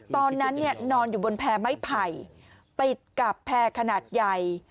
ตอนนั้นนอนอยู่บนแพร่ไม้ไผ่ติดกับแพร่ขนาดใหญ่